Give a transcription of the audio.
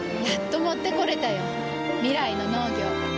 やっと持ってこれたよ。未来の農業。